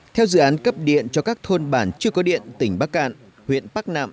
theo dự án cấp điện cho các thôn bản chưa có điện tỉnh bắc cạn huyện bắc nạm